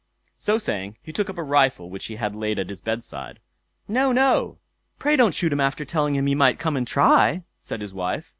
So saying he took up a rifle which he had laid at his bedside. "No! no! pray don't shoot him after telling him he might come and try", said his wife.